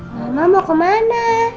mama mau kemana